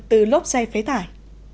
từ lốp xe phế thải